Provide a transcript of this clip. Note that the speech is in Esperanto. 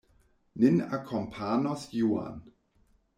Nin akompanos Juan.